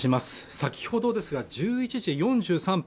先ほどですが１１時４３分